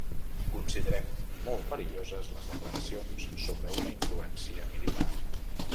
Considerem molt perilloses les declaracions sobre una influència militar.